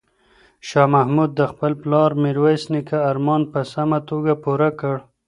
شاه محمود د خپل پلار میرویس نیکه ارمان په سمه توګه پوره کړ.